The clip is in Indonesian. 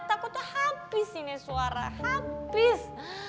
takutnya habis ini suara habis